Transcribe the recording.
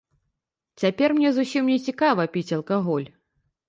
Цяпер мне зусім не цікава піць алкаголь.